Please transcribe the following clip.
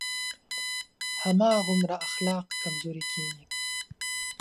هماغومره اخلاق کمزوری کېږي.